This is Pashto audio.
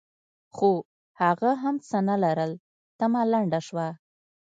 خو هغه هم څه نه لرل؛ تمه لنډه شوه.